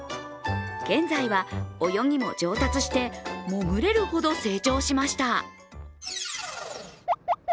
現在は泳ぎも上達して、潜れるほど成長しました。